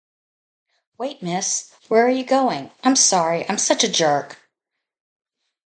Wait, Miss. Where are you going? I'm sorry. I'm such a jerk.